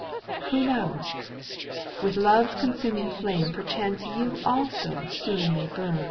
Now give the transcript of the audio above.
Who knows ? with love's consuming flame Perchance you also soon may bum.